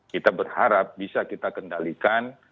kita berharap bisa kita kendalikan